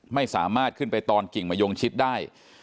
ไม่สามารถขึ้นไปตอนกิ่งมะยงชิดได้